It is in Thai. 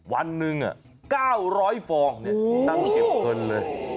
วันหนึ่ง๙๐๐ฟองเนี่ยตั้งเก็บเพิ่มเลย